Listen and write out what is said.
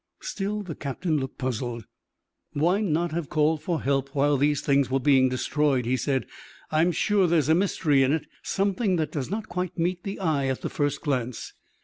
Still the captain looked puzzled. "Why not have called for help while these things were being destroyed?" he said. "I am sure there is a mystery in it, something that does not quite meet the eye at the first glance.